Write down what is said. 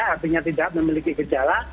artinya tidak memiliki gejala